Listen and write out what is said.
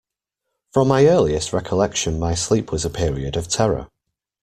From my earliest recollection my sleep was a period of terror.